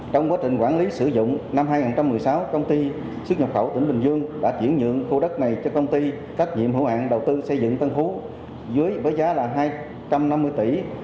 trong quá trình quản lý sử dụng năm hai nghìn một mươi sáu công ty xuất nhập khẩu tỉnh bình dương đã chuyển nhượng khu đất này cho công ty trách nhiệm hữu hạn đầu tư xây dựng tân phú dưới với giá là hai trăm năm mươi tỷ